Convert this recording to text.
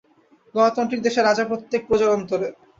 গণতান্ত্রিক দেশে রাজা প্রত্যেক প্রজার অন্তরে।